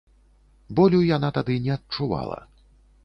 Болю яна тады не адчувала.